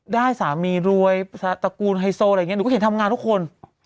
ได้สามีรวยตระกูลไฮโซอะไรอย่างนี้หนูก็เห็นทำงานทุกคน